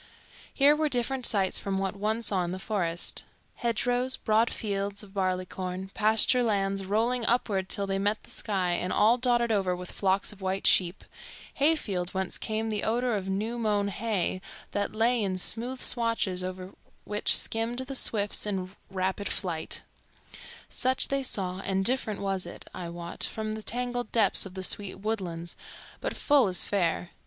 Here were different sights from what one saw in the forest; hedgerows, broad fields of barley corn, pasture lands rolling upward till they met the sky and all dotted over with flocks of white sheep, hayfields whence came the odor of new mown hay that lay in smooth swathes over which skimmed the swifts in rapid flight; such they saw, and different was it, I wot, from the tangled depths of the sweet woodlands, but full as fair.